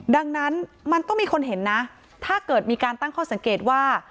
ดังนั้นมันต้องมีคนเห็นนะถ้าเกิดมีการตั้งข้อสังเกตว่า